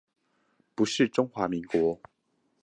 不是中華民國